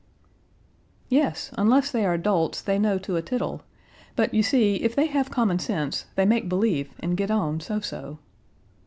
"Yes; unless they are dolts, they know to a tittle; but you see if they have common sense they make believe and get on, so so."